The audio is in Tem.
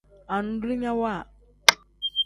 Andulinyawa.